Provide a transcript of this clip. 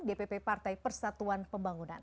dpp partai persatuan pembangunan